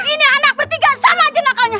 ini anak bertiga sama aja nakalnya